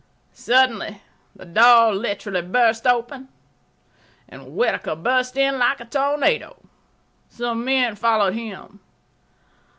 ..' Suddenly the door literally burst open and Whittaker burst in like a tornado; some men followed him.